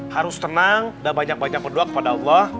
harus tenang dan banyak banyak berdoa kepada allah